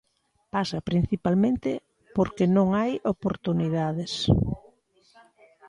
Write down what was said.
Pasa principalmente porque non hai oportunidades.